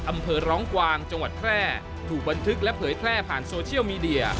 อำเภอร้องกวางจังหวัดแพร่ถูกบันทึกและเผยแพร่ผ่านโซเชียลมีเดีย